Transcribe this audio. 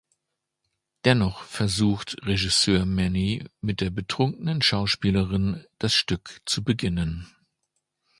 Dennoch versucht Regisseur Manny mit der betrunkenen Schauspielerin das Stück zu beginnen.